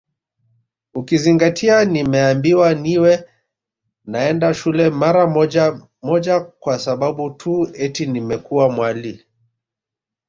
Ukizingatia nimeambiwa niwe naenda shule mara moja moja kwa sababu tu eti nimekuwa mwali